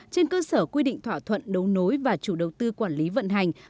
trên cơ sở quy định thỏa thuận đấu nối và chủ đầu tư quản lý vận hành